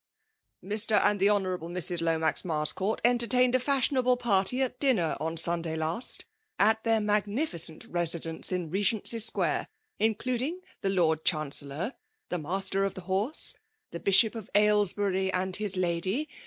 *'Mr. and the Hon. Mrs. Lomax Marscourt entertained a fashionable party at dinner on Sunday last, at their magpiificcnt residence in Begency Square; including the Lord Chan cellor, the Master of the Horse, the Bishop rKMALE .J>Q^IKATiaH. gl8 qf Aylesbury, and his lady.